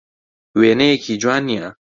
وێنەیەکی جوان نییە.